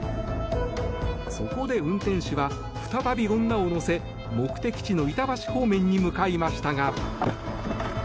そこで運転手は、再び女を乗せ目的地の板橋方面に向かいましたが。